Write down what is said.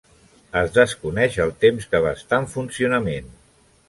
Es desconeix el temps que va estar en funcionament.